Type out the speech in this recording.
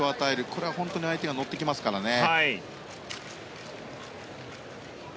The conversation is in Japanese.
これは本当に相手が乗ってきますからね。